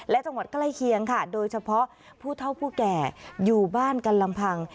และจังหวัดใกล้เคียงค่ะโดยเฉพาะผู้เท่าผู้แก่อยู่บ้านกันลำพัง